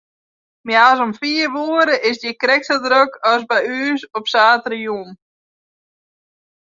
Moarns om fiif oere is it hjir krekt sa drok as by ús saterdeitejûns.